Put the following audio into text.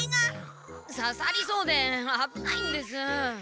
ささりそうであぶないんです。